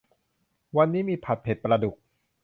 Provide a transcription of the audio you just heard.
วันนี้มีผัดเผ็ดปลาดุก